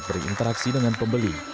penghasilan suami tiga lima ratus